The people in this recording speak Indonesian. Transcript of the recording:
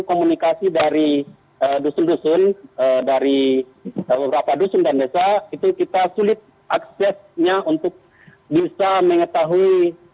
komunikasi dari dusun dusun dari beberapa dusun dan desa itu kita sulit aksesnya untuk bisa mengetahui